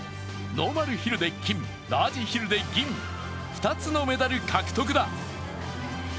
ノーマルヒルで金、ラージヒルで銀、２つのメダル獲得だ。